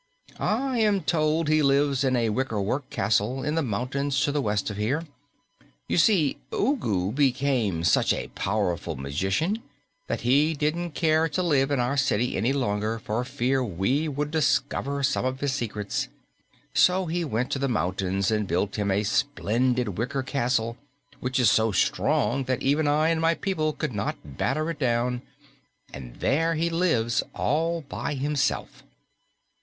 "I am told he lives in a wickerwork castle in the mountains to the west of here. You see, Ugu became such a powerful magician that he didn't care to live in our city any longer for fear we would discover some of his secrets. So he went to the mountains and built him a splendid wicker castle which is so strong that even I and my people could not batter it down, and there he lives all by himself."